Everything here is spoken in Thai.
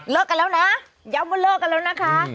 กันแล้วนะย้ำว่าเลิกกันแล้วนะคะ